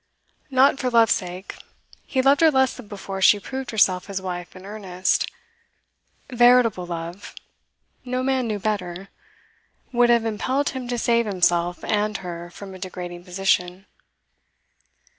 Not for love's sake; he loved her less than before she proved herself his wife in earnest. Veritable love no man knew better would have impelled him to save himself and her from a degrading position.